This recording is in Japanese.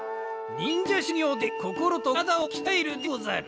にんじゃしゅぎょうでこころとからだをきたえるでござる。